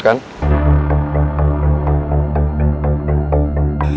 kalian gak mau